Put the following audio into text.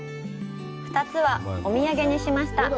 ２つはお土産にしました。